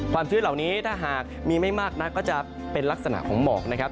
ชื้นเหล่านี้ถ้าหากมีไม่มากนักก็จะเป็นลักษณะของหมอกนะครับ